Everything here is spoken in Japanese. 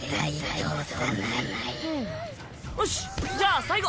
よしじゃあ最後。